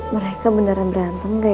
mereka beneran berantem gak ya